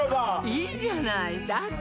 いいじゃないだって